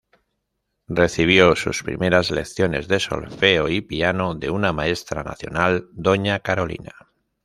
Recibió sus primeras lecciones de solfeo y piano de una maestra nacional, doña Carolina.